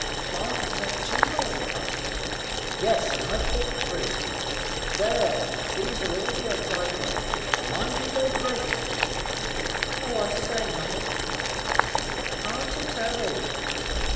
"Father said two rolls of butter." "Yes, and I've put three. There, these are all the eggs I've got, and you mind you don't break 'em!" "Oh, I say, mother," cried Ram, "aren't it heavy!"